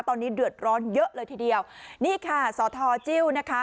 ตอนนี้เดือดร้อนเยอะเลยทีเดียวนี่ค่ะสอทอจิ้วนะคะ